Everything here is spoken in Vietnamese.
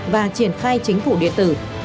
và triển khai chính phủ điện tử